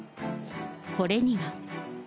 これには。